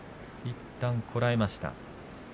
いったん、こらえました。